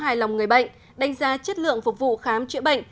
đảm bảo hài lòng người bệnh đánh giá chất lượng phục vụ khám trị bệnh